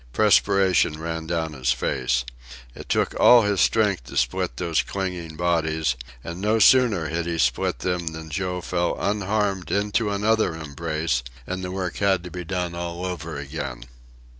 Perspiration ran down his face. It took all his strength to split those clinging bodies, and no sooner had he split them than Joe fell unharmed into another embrace and the work had to be done all over again.